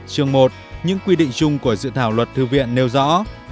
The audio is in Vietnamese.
chương một những quy định chung của dự thảo luật thư viện nêu rõ